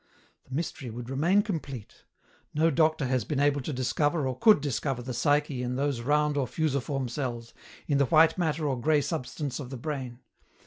The mystery would remain complete ; no doctor has been able to discover or could discover the psyche in those round or fusiform cells, in the white matter or grey substance of the brain.